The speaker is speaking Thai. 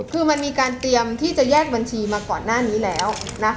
คือมันมีการเตรียมที่จะแยกบัญชีมาก่อนหน้านี้แล้วนะ